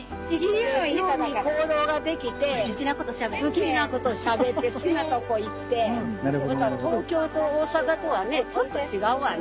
好きなことしゃべって好きなとこ行ってまた東京と大阪とはねちょっと違うわね。